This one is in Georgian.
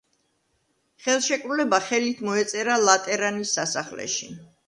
ხელშეკრულება ხელი მოეწერა ლატერანის სასახლეში.